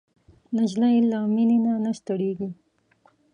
نجلۍ له مینې نه نه ستړېږي.